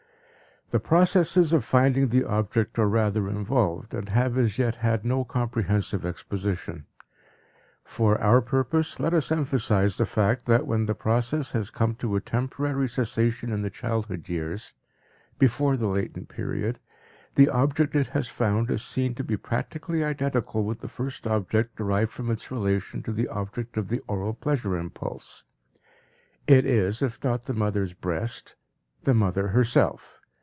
The processes of finding the object are rather involved, and have as yet had no comprehensive exposition. For our purpose, let us emphasize the fact that when the process has come to a temporary cessation in the childhood years, before the latent period, the object it has found is seen to be practically identical with the first object derived from its relation to the object of the oral pleasure impulse. It is, if not the mother's breast, the mother herself.